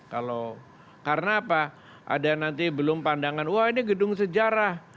kalau karena apa ada nanti belum pandangan wah ini gedung sejarah